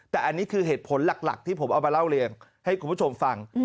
แต่อันนี้คือเหตุผลหลักที่ผมเอามาเล่าเรียงให้คุณผู้ชมฟัง